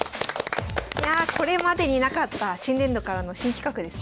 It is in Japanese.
これまでになかった新年度からの新企画ですね。